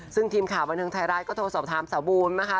ซึ่งทีมข่าวบันเทิงไทยรัฐก็โทรสอบถามสาวบูมนะคะ